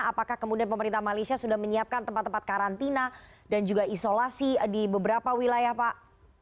apakah kemudian pemerintah malaysia sudah menyiapkan tempat tempat karantina dan juga isolasi di beberapa wilayah pak